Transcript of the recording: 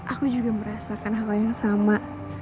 aku juga merasakan hal yang sama